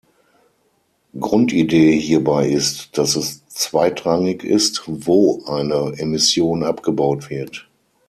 Grundidee hierbei ist, dass es zweitrangig ist, "wo" eine Emission abgebaut wird.